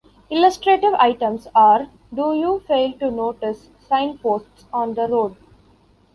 Illustrative items are 'Do you fail to notice signposts on the road?